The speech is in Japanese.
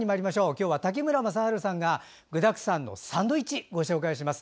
今日は滝村雅晴さんが具だくさんのサンドイッチをご紹介します。